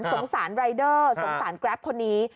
สงสารรายเดอร์สงสารแกรปคนนี้